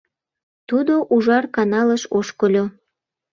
Тудо Ужар каналыш ошкыльо.